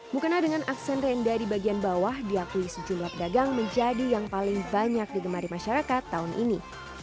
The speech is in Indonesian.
mukena dengan aksen rendah di bagian bawah diakui sejumlah pedagang menjadi yang paling banyak digemari masyarakat tahun ini